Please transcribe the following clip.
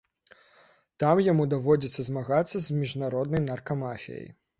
Там яму даводзіцца змагацца з міжнароднай наркамафіяй.